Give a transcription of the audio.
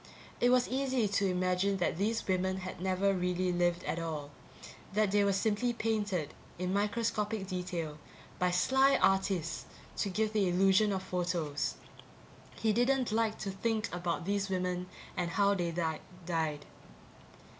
It was easy to imagine that these women had never really lived at all that they were simply painted, in microscopic detail, by sly artists to give the illusion of photos. He didn't like to think about these women and how they died.